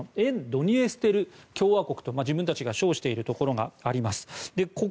ドニエストル共和国と自分たちが称しているところがあります。